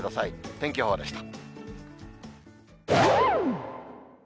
天気予報でした。